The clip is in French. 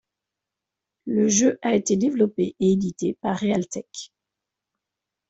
Le jeu a été développé et édité par Realtec.